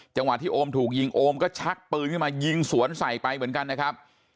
จังหวะที่โอมถูกยิงโอมก็ชักปืนขึ้นมายิงสวนใส่ไปเหมือนกันนะครับ